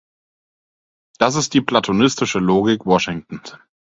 Das ist die platonistische Logik Washingtons.